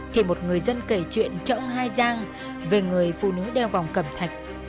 thì một người dân kể chuyện trỡng hai giang về người phụ nữ đeo vòng cầm thạch